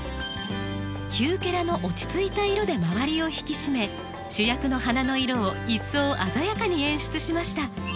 ヒューケラの落ち着いた色で周りを引き締め主役の花の色を一層鮮やかに演出しました。